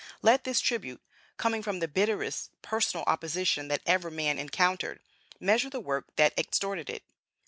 Let this tribute, coming from the bitterest personal opposition that ever man encountered, measure the work that extorted it.